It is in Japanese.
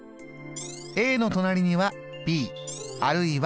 Ａの隣にはＢあるいはＣ。